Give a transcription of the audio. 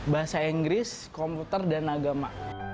bahasa inggris komputer dan agama